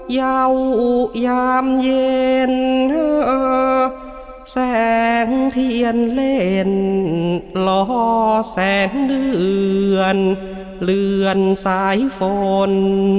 ยาวยามเย็นแสงเทียนเล่นล่อแสงเหลือนเหลือนสายฝน